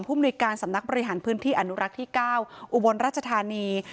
มนุยการสำนักบริหารพื้นที่อนุรักษ์ที่๙อุบลราชธานี